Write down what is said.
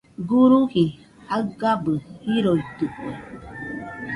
Guruji jaigabɨ jiroitɨkue.